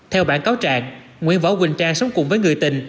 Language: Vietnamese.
theo bản cáo trạng nguyễn võ quỳnh trang sống cùng với người tình